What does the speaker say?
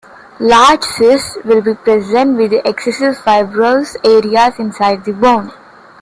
Large cysts will be present with excessive fibrous areas inside the bone.